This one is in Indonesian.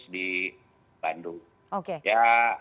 jadi kami juga berharap yang akan diberikan kembali ke kota bandung